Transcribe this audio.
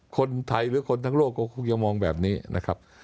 คนไทยหรือคนทั้งโลกก็คงจะมองแบบนี้นะครับ